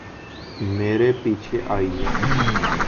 میرے پیچھے آییے